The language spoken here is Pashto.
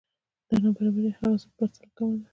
دا نابرابری هغه څه په پرتله کمه ده